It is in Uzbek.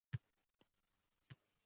Stereotiplarga ba’zi misollar.